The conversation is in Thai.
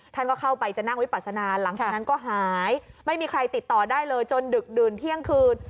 ท่านก็เข้าไปจะนั่งวิปัสนาหลังจากนั้นก็หายไม่มีใครติดต่อได้เลยจนดึกดื่นเที่ยงคืน